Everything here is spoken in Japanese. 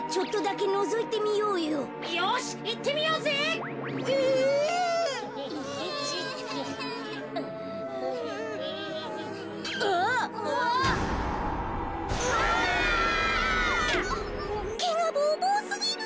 けがボーボーすぎる。